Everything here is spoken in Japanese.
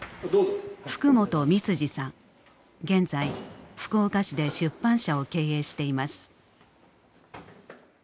現在福岡市で出版社を経営しています。